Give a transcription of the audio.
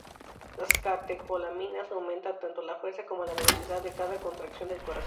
Las catecolaminas aumentan tanto la fuerza como la velocidad de cada contracción del corazón.